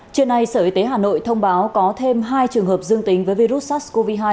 trưa nay sở y tế hà nội thông báo có thêm hai trường hợp dương tính với virus sars cov hai